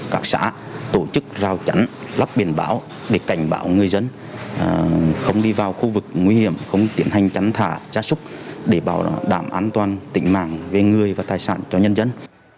các xã tổ chức rào chắn lắp biển báo để cảnh báo người dân không đi vào khu vực nguy hiểm không tiến hành chăn thả ra súc để bảo đảm an toàn tính mạng về người và tài sản cho nhân dân